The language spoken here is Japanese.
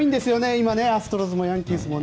今、アストロズもヤンキースも。